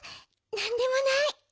なんでもない。